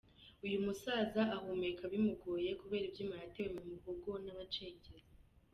Uyu musaza ahumekera bimugoye kubera ibyuma yatewe mu muhogo n’Abacengezi.